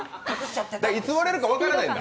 いつ割れるか分からないんだ。